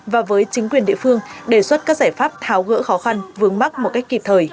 và với chính quyền địa phương đề xuất các giải pháp tháo gỡ khó khăn vướng mắc một cách kịp thời